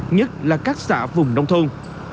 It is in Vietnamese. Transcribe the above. nhất là các xã vùng nông thôn